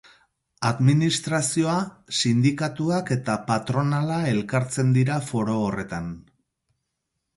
Administrazioa, sindikatuak eta patronala elkartzen dira foro horretan.